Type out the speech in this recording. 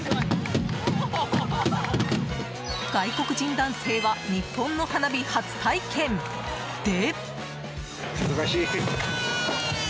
外国人男性は日本の花火初体験で。